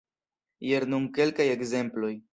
Jen nur kelkaj ekzemploj.